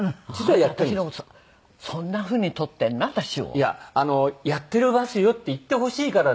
いや「やってますよ」って言ってほしいからね。